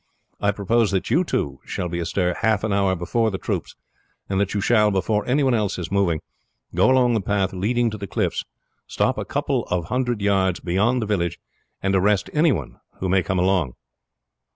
I propose that you two shall be astir half an hour before the troops; and that you shall, before any one else is moving, go along the path leading to the cliffs, stop a couple of hundred yards beyond the village, and arrest any one who may come along."